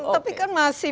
tapi kan masih